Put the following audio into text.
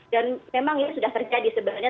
dan memang itu sudah terjadi sebenarnya